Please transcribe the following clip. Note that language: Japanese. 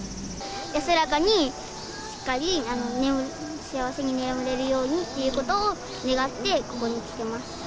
安らかにしっかり幸せに眠れるようにということを願ってここに来てます。